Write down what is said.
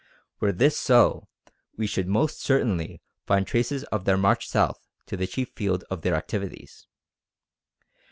Were this so, we should most certainly find traces of their march south to the chief field of their activities.